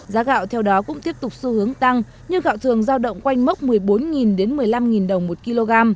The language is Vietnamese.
giá gạo theo đó cũng tiếp tục xu hướng tăng như gạo thường giao động quanh mốc một mươi bốn một mươi năm đồng một kg